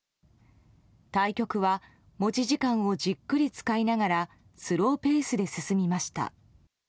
対局は持ち時間をじっくり使いながらスローペースで進みました。